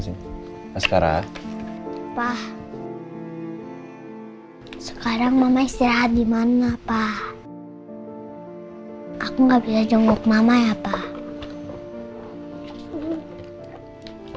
sini sekarang sekarang mama istirahat dimana pak aku nggak bisa jongkok mama ya pak